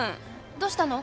どうしたの？